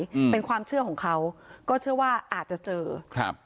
อืมเป็นความเชื่อของเขาก็เชื่อว่าอาจจะเจอครับ